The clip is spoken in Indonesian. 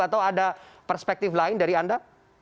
atau ada perspektif lain dari anda